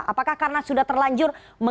apakah karena sudah terlanjur mengikat jaringan